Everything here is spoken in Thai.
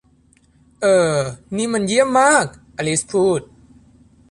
'เอ่อนี่มันเยี่ยมมาก !' อลิซพูด